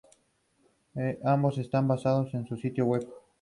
Ambos están basados en su sitio web.